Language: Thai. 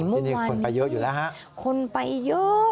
เมื่อวานนี้คนไปเยอะอยู่แล้วฮะโอ้ที่นี่คนไปเยอะอยู่แล้วฮะ